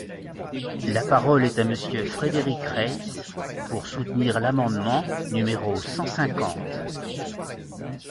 La parole est à Monsieur Frédéric Reiss, pour soutenir l’amendement numéro cent cinquante.